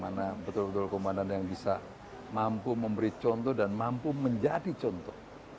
mana betul betul komandan yang bisa mampu memberi contoh dan mampu menjadi contoh